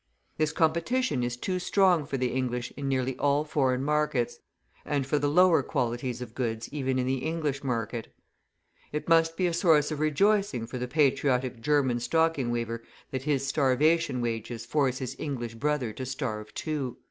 This competition is too strong for the English in nearly all foreign markets, and for the lower qualities of goods even in the English market. It must be a source of rejoicing for the patriotic German stocking weaver that his starvation wages force his English brother to starve too!